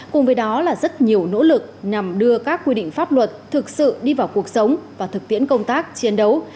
cùng với đó là rất nhiều nỗ lực nhằm đưa các quy định pháp luật thực sự đi vào cuộc sống và thực tiễn công tác chiến đấu